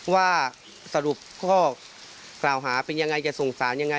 ว่าสรุปข้อกล่าวหาเป็นยังไงจะส่งสารยังไง